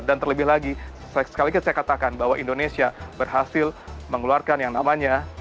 dan terlebih lagi sekali lagi saya katakan bahwa indonesia berhasil mengeluarkan yang namanya g dua puluh